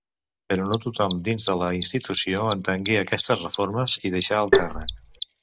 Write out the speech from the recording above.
Però no tothom dins de la institució entengué aquestes reformes i deixà el càrrec.